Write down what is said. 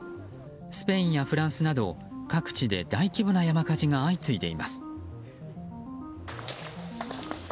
スペインやフランスなど各地で大規模な山火事が相次いでいます。